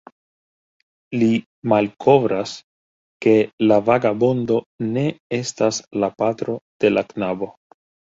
Li malkovras, ke la vagabondo ne estas la patro de la knabo.